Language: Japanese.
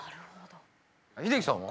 英樹さんは？